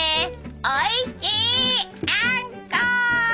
おいしいあんこ！